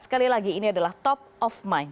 sekali lagi ini adalah top of mind